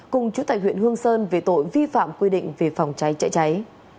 cùng chủ tịch huyện hương sơn về tội vi phạm quy định về phòng cháy chạy cháy